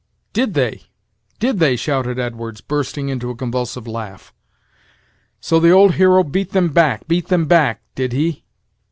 "Did they! did they!" shouted Edwards, bursting into a convulsive laugh; "so the old hero beat them back beat them back! did he?"